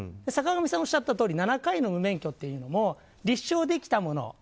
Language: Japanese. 坂上さんがおっしゃったとおり７回の無免許運転というのも立証できたもの